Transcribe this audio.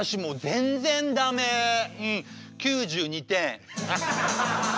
９２点。